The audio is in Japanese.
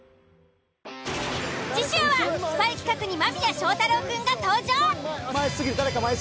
次週はスパイ企画に間宮祥太朗くんが登場。